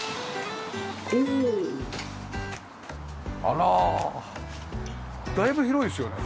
あらだいぶ広いですよね。